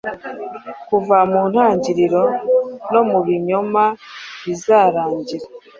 Kuva mu ntangiriro, no mu binyoma bizarangira